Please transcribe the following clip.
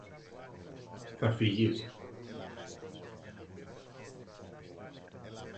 Θα φύγεις;